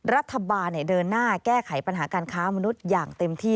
รัฐบาลเดินหน้าแก้ไขปัญหาการค้ามนุษย์อย่างเต็มที่